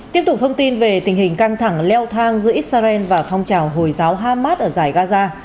tiếp tục thông tin về tình hình căng thẳng leo thang giữa israel và phong trào hồi giáo hamas ở giải gaza